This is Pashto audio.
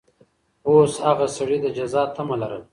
اوس هغه سړي د جزا تمه لرله.